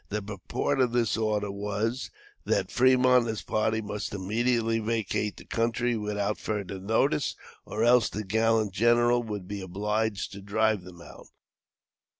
The purport of this order was, that Fremont and his party must immediately vacate the country without further notice, or else the gallant general would be obliged to drive them out.